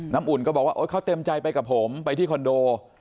อุ่นก็บอกว่าเขาเต็มใจไปกับผมไปที่คอนโด